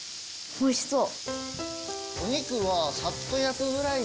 おいしそう！